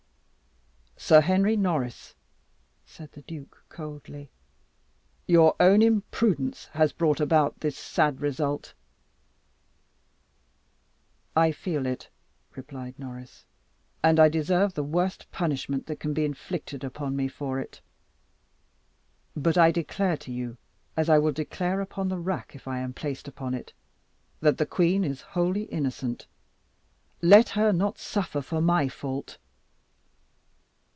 "Sir Henry Norris," said the duke coldly, "your own imprudence has brought about this sad result." "I feel it," replied Norris; "and I deserve the worst punishment that can be inflicted upon me for it. But I declare to you as I will declare upon the rack, if I am placed upon it that the queen is wholly innocent. Let her not suffer for my fault."